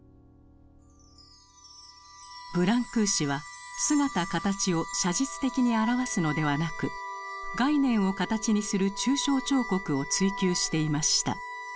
ブランクーシは姿形を写実的に表すのではなく概念を形にする抽象彫刻を追求していました。